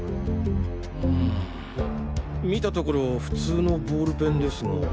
うん見たところ普通のボールペンですが。